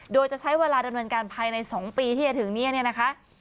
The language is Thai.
โดยจะใช้เวลาดำเนินการภายใน๒ปีที่จะถึงนี้เนี่ยนะคะ